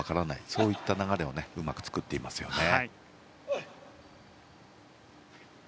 そういった流れをうまく作っていますよね。